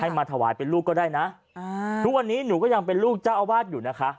มาถวายเป็นลูกก็ได้นะอ่าทุกวันนี้หนูก็ยังเป็นลูกเจ้าอาวาสอยู่นะคะ